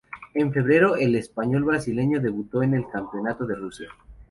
En febrero el español-brasileño debutó en el Campeonato de Rusia.